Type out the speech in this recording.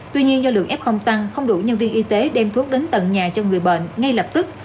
tuy nhiên do lượng f tăng không đủ nhân viên y tế đem thuốc đến tận nhà cho người bệnh ngay lập tức